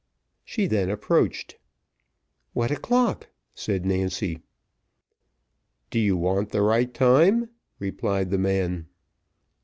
She then approached. "What's o'clock?" said Nancy. "Do you want the right time?" replied the man.